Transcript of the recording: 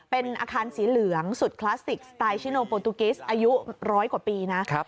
เป็นอาคารสีเหลืองสุดคลาสสิกสไตล์ชิโนโปรตุกิสอายุร้อยกว่าปีนะ